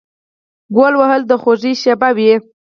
ګول وهل د خوښۍ شیبه وي.